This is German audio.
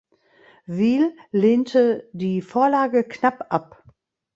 Wil lehnte die Vorlage knapp ab.